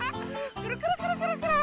くるくるくるくるくる。